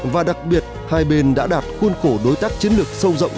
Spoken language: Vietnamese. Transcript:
và đặc biệt hai bên đã đạt khuôn khổ đối tác chiến lược sâu rộng